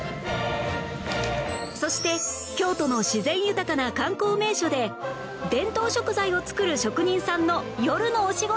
そして京都の自然豊かな観光名所で伝統食材を作る職人さんの夜のお仕事